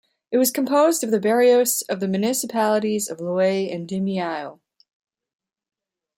It was composed of the barrios of the municipalities of Loay and Dimiao.